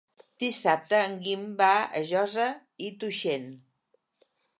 Dissabte en Guim va a Josa i Tuixén.